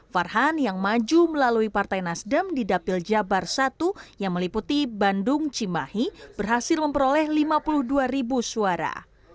farhan yang maju melalui partai nasdem di dapil jabar satu yang meliputi bandung cimahi berhasil memperoleh lima puluh dua ribu suara